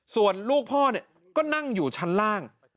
ส่วนลูกพ่อก็นั่งอยู่ชั้นล่าง